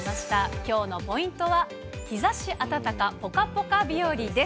きょうのポイントは日ざし暖か、ぽかぽか日和です。